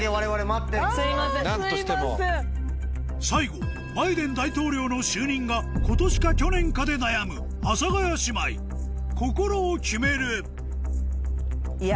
最後バイデン大統領の就任が今年か去年かで悩む阿佐ヶ谷姉妹心を決めるいや。